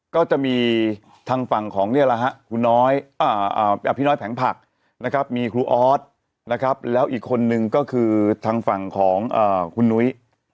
ก็จะมีทางฝั่งของพี่น้อยแผงผักมีครูอ๊อสแล้วอีกคนนึงก็คือทางฝั่งของคุณนุ้ย